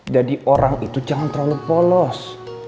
jadi orang itu jangan terlalu polos